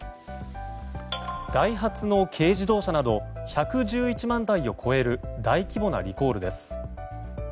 ダイハツの軽自動車など１１１万台を超える大規模なリコールです。